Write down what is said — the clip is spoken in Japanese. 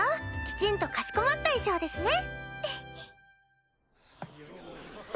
きちんとかしこまった衣装ですね。